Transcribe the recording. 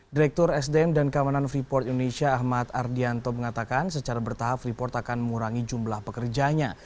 direktur sdm dan keamanan freeport indonesia ahmad ardianto mengatakan secara bertahap freeport akan mengurangi jumlah pekerjanya